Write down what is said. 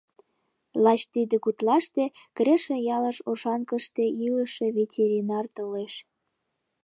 Лач тиде гутлаште Крешын ялыш Оршанкыште илыше ветеринар толеш.